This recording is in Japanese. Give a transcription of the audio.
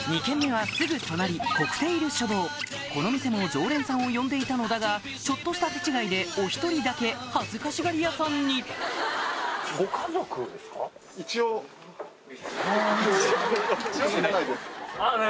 ２軒目はすぐ隣この店も常連さんを呼んでいたのだがちょっとした手違いでお１人だけ恥ずかしがり屋さんにあ。